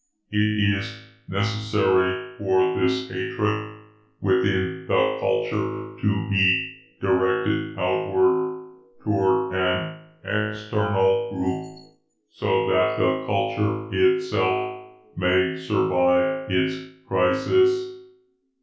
"It is necessary for this hatred within the culture to be directed outward, toward an external group, so that the culture itself may survive its crisis.